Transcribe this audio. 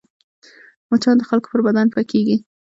مچان د خلکو پر بدن پکېږي